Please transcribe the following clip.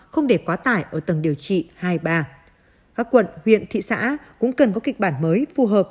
không để quá tải ở tầng điều trị hai ba các quận huyện thị xã cũng cần có kịch bản mới phù hợp